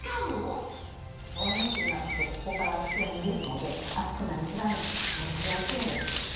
Ｙの字になっててここから熱が逃げるので熱くなりづらいし持ちやすいんです。